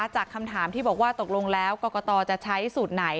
จากคำถามที่บอกว่าตกลงแล้วกรกตจะใช้สูตรไหน